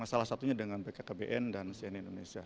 salah satunya dengan bkkbn dan cnn indonesia